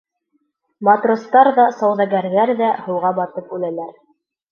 Матростар ҙа, сауҙагәрҙәр ҙә һыуға батып үләләр.